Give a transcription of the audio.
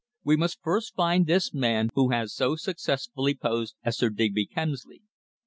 "We must first find this man who has so successfully posed as Sir Digby Kemsley.